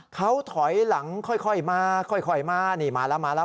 เขาถอยหลังค่อยมาค่อยมานี่มาแล้วมาแล้ว